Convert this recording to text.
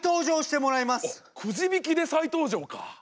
あっくじ引きで再登場か。